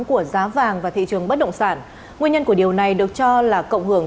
của giá vàng và thị trường bất động sản nguyên nhân của điều này được cho là cộng hưởng